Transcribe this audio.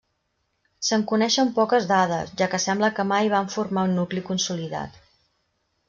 Se'n coneixen poques dades, ja que sembla que mai van formar un nucli consolidat.